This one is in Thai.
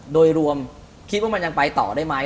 โดยรวมคิดว่ามันยังไปต่อได้ไหม